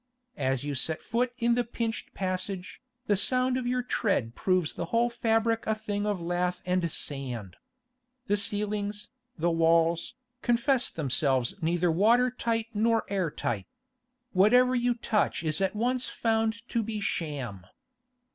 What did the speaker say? As you set foot in the pinched passage, the sound of your tread proves the whole fabric a thing of lath and sand. The ceilings, the walls, confess themselves neither water tight nor air tight. Whatever you touch is at once found to be sham.